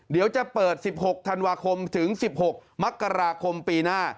เดี๋ยวจะเปิด๑๖ธันวาคมถึง๑๖มกราคมปีหน้า